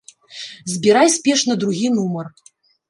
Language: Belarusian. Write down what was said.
Збірай спешна другі нумар.